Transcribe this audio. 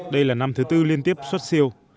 đây là năm thứ tư liên tiếp xuất siêu